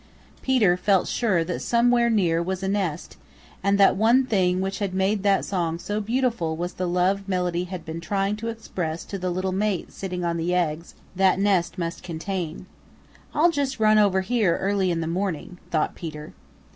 Peter felt sure that somewhere near was a nest and that one thing which had made that song so beautiful was the love Melody lad been trying to express to the little mate sitting on the eggs that nest must contain. "I'll just run over here early in the morning," thought Peter.